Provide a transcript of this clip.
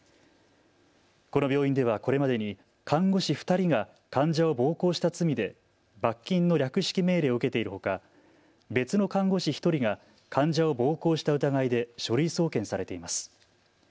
この病院ではこれまでに看護師２人が患者を暴行した罪で罰金の略式命令を受けているほか別の看護師１人が患者を暴行した疑いで書類送検されています。